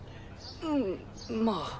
うんまぁ。